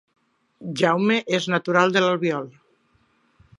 Jaume és natural de l'Albiol